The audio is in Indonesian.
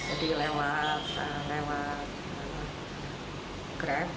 yaitu melakukan penguatan penjualan secara online